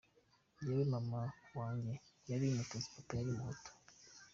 "Jyewe mama wanjye yari Umutitsi, papa yari Umuhutu.